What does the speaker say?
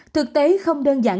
thực tế không đơn giản